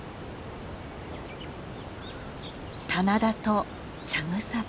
棚田と茶草場